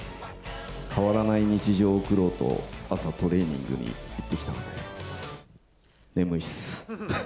変わらない日常を送ろうと、朝、トレーニングに行ってきたので、眠いっす。